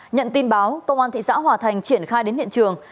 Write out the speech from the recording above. nhận tin báo công an thị xã hòa thành triển khai đến hiện trường